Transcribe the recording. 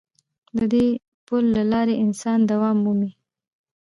د دې پل له لارې انسان دوام مومي.